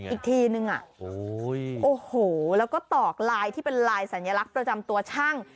อีกทีนึงโอ้โหแล้วก็ตอกลายที่เป็นลายสัญลักษณ์ประจำตัวช่าง